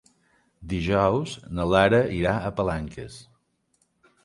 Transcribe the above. Dijous na Lara irà a Palanques.